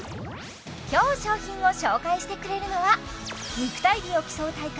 今日商品を紹介してくれるのは肉体美を競う大会